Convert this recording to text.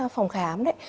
phòng khám đấy